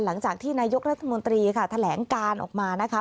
หลังจากที่นายกรัฐมนตรีค่ะแถลงการออกมานะคะ